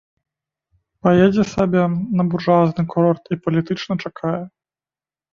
Паедзе сабе на буржуазны курорт і палітычна чакае.